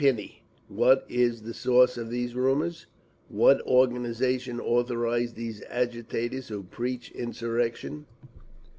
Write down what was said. _ What is the source of these rumours? What organisation authorises these agitators who preach insurrection?